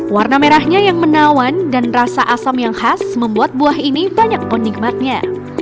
warna merahnya yang menawan dan rasa asam yang khas membuat buah ini banyak penikmatnya